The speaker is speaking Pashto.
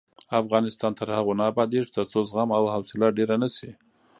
افغانستان تر هغو نه ابادیږي، ترڅو زغم او حوصله ډیره نشي.